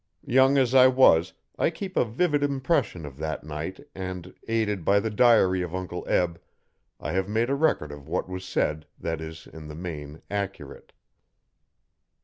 Young as I was I keep a vivid impression of that night and, aided by the diary of Uncle Eb, I have made a record of what was said that is, in the main, accurate.